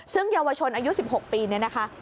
ซึ่งเยาวชนอายุ๑๖ปีเนี่ยนะคะ